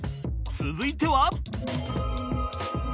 続いては